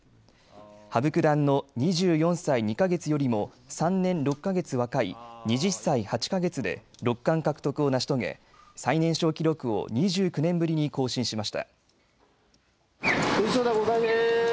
羽生九段の２４歳２か月よりも３年６か月若い２０歳８か月で六冠獲得を成し遂げ最年少記録を２９年ぶりに更新しました。